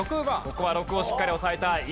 ここは６をしっかり抑えたい。